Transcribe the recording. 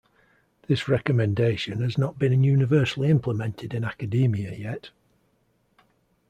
This recommendation has not been universally implemented in academia yet.